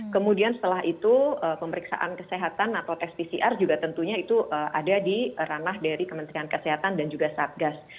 kemudian setelah itu pemeriksaan kesehatan atau tes pcr juga tentunya itu ada di ranah dari kementerian kesehatan dan juga satgas